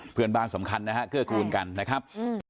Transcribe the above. เพื่อนบ้านสำคัญนะฮะเกื้อกูลกันนะครับ